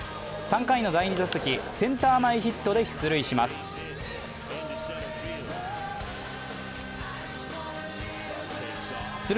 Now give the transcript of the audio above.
３回の第２打席、センター前ヒットで出塁します。